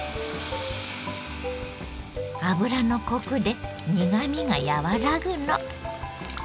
油のコクで苦みが和らぐの。